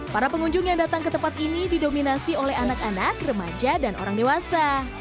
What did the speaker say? para pengunjung yang datang ke tempat ini didominasi oleh anak anak remaja dan orang dewasa